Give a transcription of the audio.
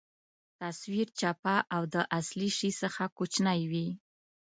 تصویر چپه او د اصلي شي څخه کوچنۍ وي.